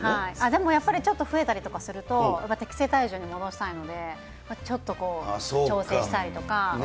でもやっぱりちょっと増えたりとかすると、適正体重に戻したいので、ちょっとこう、調整したりとか。